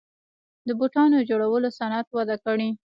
د بوټانو جوړولو صنعت وده کړې